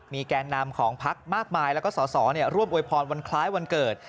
แก่นำของพักมากมายแล้วก็สอสอร่วมอวยพรวันคล้ายวันเกิด